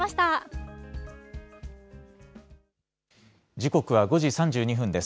時刻は５時３２分です。